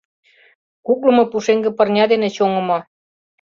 Куклымо пушеҥге пырня дене чоҥымо.